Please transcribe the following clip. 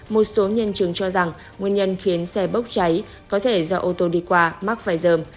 một số nhân trường cho rằng nguyên nhân khiến xe bốc cháy có thể do ô tô đi qua mắc phải dơm